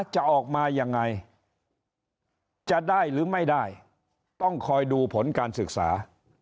จะออกมายังไงจะได้หรือไม่ได้ต้องคอยดูผลการศึกษา